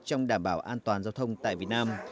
trong đảm bảo an toàn giao thông tại việt nam